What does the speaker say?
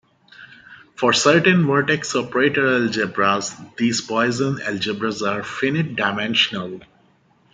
For certain vertex operator algebras, these Poisson algebras are finite-dimensional.